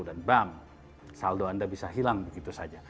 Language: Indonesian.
dan bam saldo anda bisa hilang begitu saja